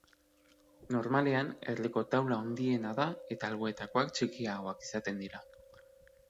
Normalean, erdiko taula handiena da eta alboetakoak txikiagoak izaten dira.